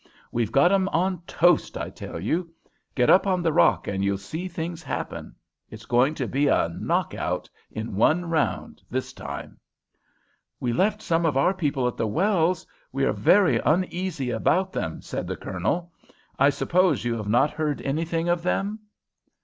We've got 'em on toast, I tell you. Get up on that rock and you'll see things happen. It's going to be a knockout in one round this time." "We left some of our people at the wells. We are very uneasy about them," said the Colonel. "I suppose you have not heard anything of them?"